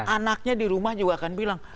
anaknya di rumah juga akan bilang